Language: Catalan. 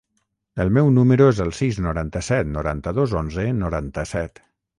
El meu número es el sis, noranta-set, noranta-dos, onze, noranta-set.